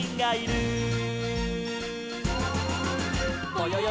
「ぼよよ